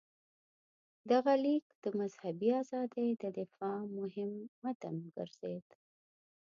دغه لیک د مذهبي ازادۍ د دفاع مهم متن وګرځېد.